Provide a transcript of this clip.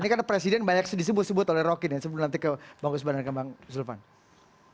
ini karena presiden banyak disebut sebut oleh rocky nih sebelum nanti ke bangkus bandar kembang sulepand